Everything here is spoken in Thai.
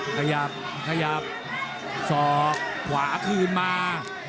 ขยับขยับสอกขวาคืนมา